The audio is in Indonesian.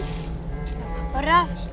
gak apa apa raf